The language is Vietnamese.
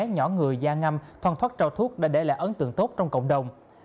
nhỏ người da ngâm thoan thoát trao thuốc đã để lại ấn tượng tốt trong cộng đồng